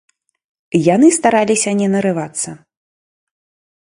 Яны стараліся не нарывацца.